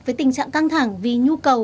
với tình trạng căng thẳng vì nhu cầu